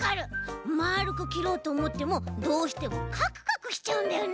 まるくきろうとおもってもどうしてもカクカクしちゃうんだよね。